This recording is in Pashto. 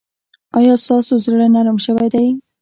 ایا ستاسو زړه نرم شوی دی؟